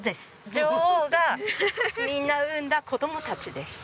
女王がみんな産んだ子供たちです。